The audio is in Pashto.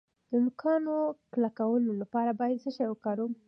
د نوکانو کلکولو لپاره باید څه شی وکاروم؟